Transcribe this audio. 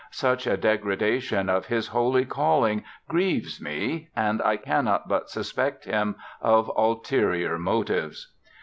Such a degradation of his holy calling grieves me, and I cannot but suspect him of ulterior motives.